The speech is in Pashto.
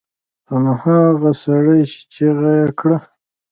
هماغه سړي چيغه کړه!